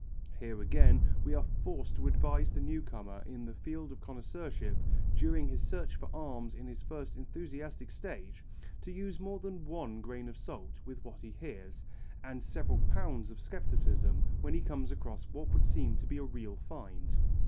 Here again we are forced to advise the new comer in the field of connoisseurship during his search for arms in his first enthusiastic stage, to use more than one grain of salt with what he hears, and several pounds of scepticism when he comes across what would seem to be a real find.